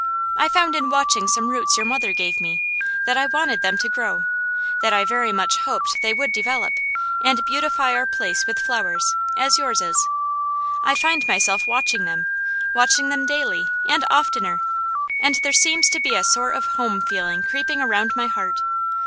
I found in watching some roots your mother gave me, that I wanted them to grow, that I very much hoped they would develop, and beautify our place with flowers, as yours is. I find myself watching them, watching them daily, and oftener, and there seems to be a sort of home feeling creeping around my heart.